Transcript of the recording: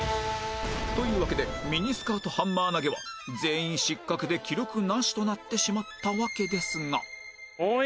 というわけでミニスカートハンマー投げは全員失格で記録なしとなってしまったわけですが